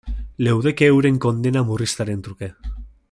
Leudeke euren kondena murriztearen truke.